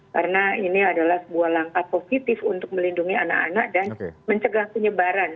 karena ini adalah sebuah langkah positif untuk melindungi anak anak dan mencegah penyebaran